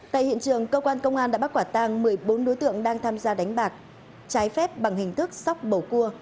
tại hiện trường công an đã bắt quả tăng một mươi bốn đối tượng đang tham gia đánh bạc trái phép bằng hình thức sóc bầu cua